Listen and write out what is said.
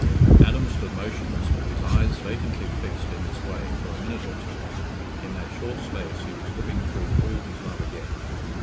Adam stood motionless, with his eyes vacantly fixed in this way for a minute or two; in that short space he was living through all his love again.